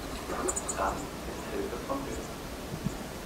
Dann ist Hilfe vonnöten.